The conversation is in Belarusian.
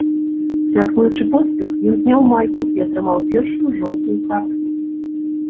Святкуючы поспех, ён зняў майку і атрымаў першую жоўтую картку.